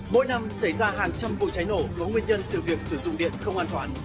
mỗi năm xảy ra hàng trăm vụ cháy nổ có nguyên nhân từ việc sử dụng điện không an toàn